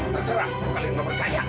terserah kalian gak percaya